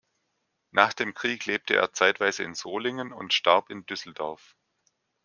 Nach dem Krieg lebte er zeitweise in Solingen und starb in Düsseldorf.